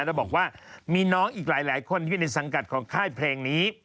แล้วบอกว่ามีน้องอีกหลายคนที่อยู่ในสังกัดของค่ายเพลงนี้